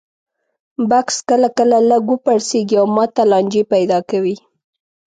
بکس کله کله لږ وپړسېږي او ماته لانجې پیدا کوي.